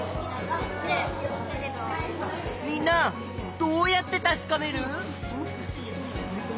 みんなどうやってたしかめる？